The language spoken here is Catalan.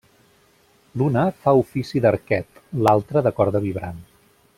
L'una fa ofici d'arquet, l'altre de corda vibrant.